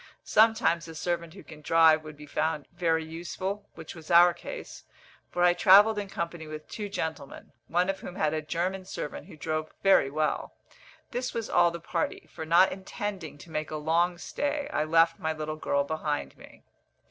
Sometimes a servant who can drive would be found very useful, which was our case, for I travelled in company with two gentlemen, one of whom had a German servant who drove very well. This was all the party; for not intending to make a long stay, I left my little girl behind me.